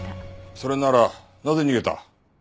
それならなぜ逃げた？